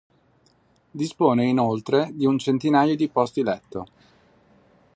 Dispone inoltre di un centinaio di posti letto.